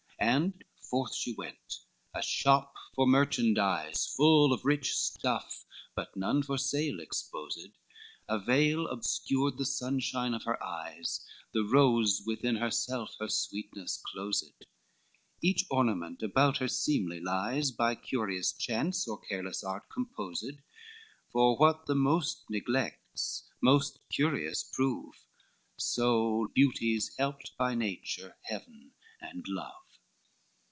XVIII And forth she went, a shop for merchandise Full of rich stuff, but none for sale exposed, A veil obscured the sunshine of her eyes, The rose within herself her sweetness closed, Each ornament about her seemly lies, By curious chance, or careless art, composed; For what the most neglects, most curious prove, So Beauty's helped by Nature, Heaven, and Love.